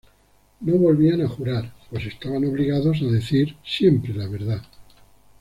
No volvían a jurar, pues estaban obligados a decir siempre la verdad.